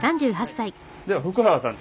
では福原さん